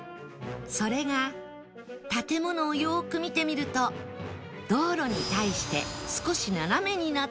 それが建物をよーく見てみると道路に対して少し斜めになっています